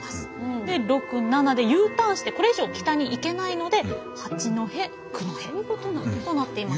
で六七でＵターンしてこれ以上北に行けないので八戸九戸となっています。